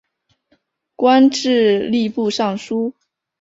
官至吏部尚书。